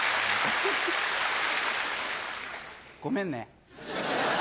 ごめんね。